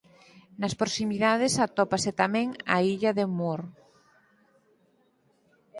Nas proximidades atópase tamén a Illa de Moore.